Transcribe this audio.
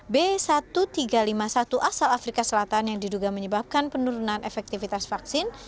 b satu tiga lima satu asal afrika selatan yang diduga menyebabkan penurunan efektivitas vaksin